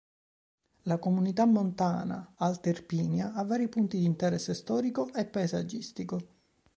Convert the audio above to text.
La Comunità Montana Alta Irpinia ha vari punti di interesse storico e paesaggistico.